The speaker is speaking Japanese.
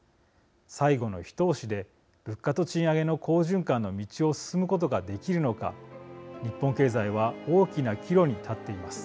最後の一押しで物価と賃上げの好循環の道を進むことができるのか日本経済は大きな岐路に立っています。